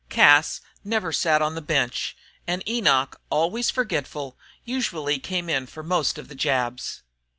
Cas never sat on the bench and Enoch, always forgetful, usually came in for most of the jabs.